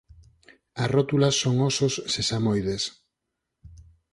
As rótulas son ósos sesamoides.